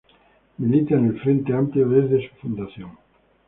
Milita en el Frente Amplio desde su fundación.